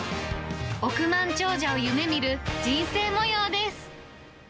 億万長者を夢みる人生もようです。